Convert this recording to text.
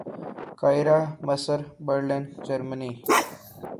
قاہرہ مصر برلن جرمنی